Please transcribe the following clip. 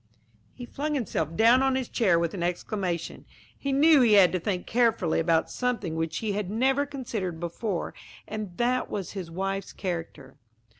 He flung himself down on his chair with an exclamation. He knew he had to think carefully about something which he had never considered before, and that was his wife's character.